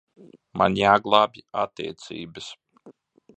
Man jāglābj attiecības.